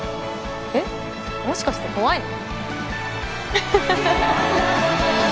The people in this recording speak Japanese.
えっもしかして怖いの？